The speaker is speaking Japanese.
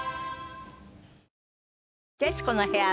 『徹子の部屋』は